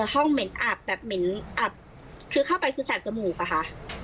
ห้องเหม็นอับแบบเหม็นอับคือเข้าไปคือแสบจมูกอะค่ะ